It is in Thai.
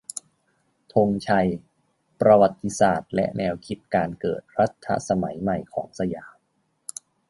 ธงชัย : ประวัติศาสตร์และแนวคิดการเกิดรัฐสมัยใหม่ของสยาม